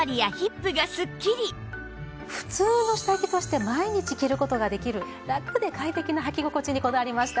普通の下着として毎日着る事ができるラクで快適なはき心地にこだわりました。